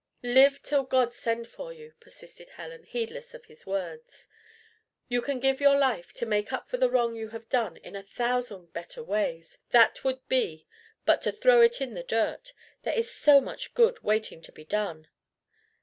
"Live till God send for you," persisted Helen, heedless of his words. "You can give your life to make up for the wrong you have done in a thousand better ways: that would be but to throw it in the dirt. There is so much good waiting to be done!"